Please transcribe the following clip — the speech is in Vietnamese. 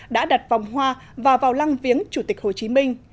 đã đặt vòng hoa và vào lăng viếng chủ tịch hồ chí minh